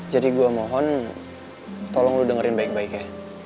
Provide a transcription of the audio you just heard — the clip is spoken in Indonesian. jadi gue mohon tolong lu dengerin baik baik ya